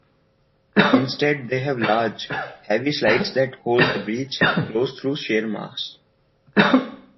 Instead they have large, heavy slides that hold the breech closed through sheer mass.